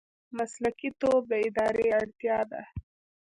مسلکي توب د ادارې اړتیا ده